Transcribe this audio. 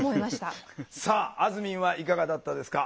さああずみんはいかがだったですか？